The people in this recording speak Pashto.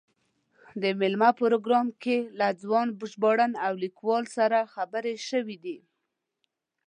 د مېلمه پروګرام کې له ځوان ژباړن او لیکوال سره خبرې شوې دي.